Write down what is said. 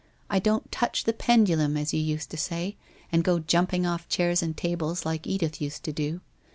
I don't touch the pendulum, as you used to say, and go jumping off chairs and tables like Edith used to do.